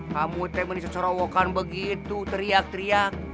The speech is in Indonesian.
kamu ini menyesal cerowokan begitu teriak teriak